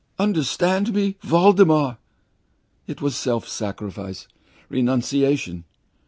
Understand me, Voldemar! It was self sacrifice, renunciation!